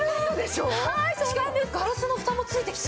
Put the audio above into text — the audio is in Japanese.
しかもガラスのふたも付いてきて？